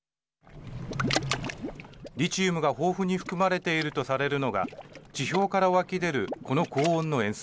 リチウムが豊富に含まれているとされるのが地表から湧き出るこの高温の塩水。